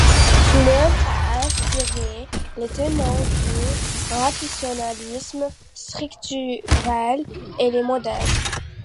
Son œuvre a inspiré les tenants du rationalisme structurel et les modernes.